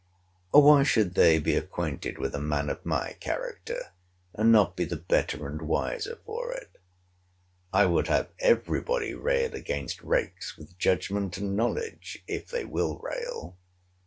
Why should they be acquainted with a man of my character, and not be the better and wiser for it?—I would have every body rail against rakes with judgment and knowledge, if they will rail.